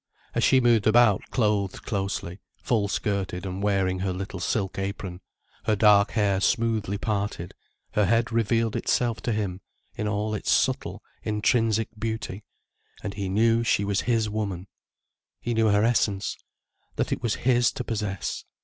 As she moved about clothed closely, full skirted and wearing her little silk apron, her dark hair smoothly parted, her head revealed itself to him in all its subtle, intrinsic beauty, and he knew she was his woman, he knew her essence, that it was his to possess.